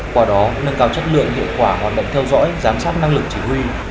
qua đó nâng cao chất lượng hiệu quả hoạt động theo dõi giám sát năng lực chỉ huy